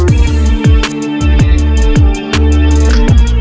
samperin tuh dukun bokis